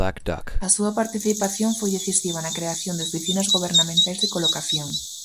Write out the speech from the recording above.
A súa participación foi decisiva na creación de oficinas gobernamentais de colocación.